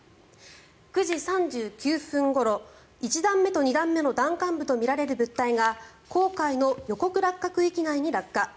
９時３９分ごろ１段目と２段目の段間部とみられる物体が黄海の予告落下区域内に落下。